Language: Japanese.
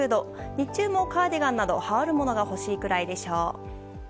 日中もカーディガンなど羽織るものが欲しいくらいでしょう。